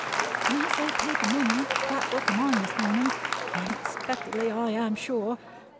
And as they paid the money for that work of mine this morning (unexpectedly, I am sure!)